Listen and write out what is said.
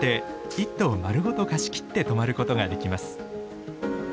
１棟丸ごと貸し切って泊まることができます。